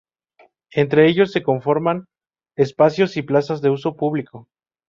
Entre ellos se conforman espacios y plazas de uso público.